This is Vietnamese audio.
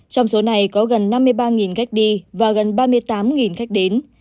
trong số này có gần năm mươi ba khách đi và gần ba mươi tám khách đến